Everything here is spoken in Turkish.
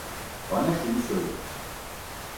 Bana şunu söyle.